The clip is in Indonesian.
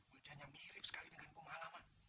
wajahnya mirip sekali dengan kumala mak